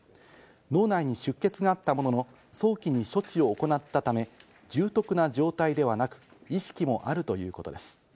脳内に出血があったものの、早期に処置を行ったため、重篤な状態ではなく、意識もあるということです。